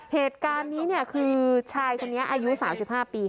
เหตุการณ์นี้เนี่ยคือชายคนนี้อายุสามสิบห้าปี